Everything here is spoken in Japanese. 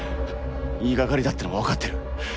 言いがかりだってのもわかってる。